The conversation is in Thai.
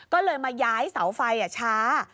ก็เลยมาย้ายเสาไฟช้า